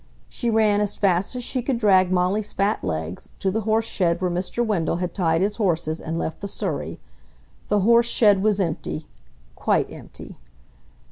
She ran as fast as she could drag Molly's fat legs, to the horse shed where Mr. Wendell had tied his horses and left the surrey. The horse shed was empty, quite empty.